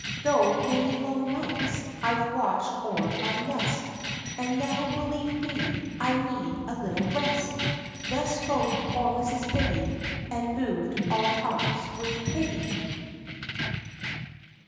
" Through many long nights, I've watched o'er my nest, And now, believe me, I need a little rest." Thus spoke poor Mrs. Biddy, And moved all hearts with pity.